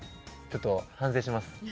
ちょっと反省します。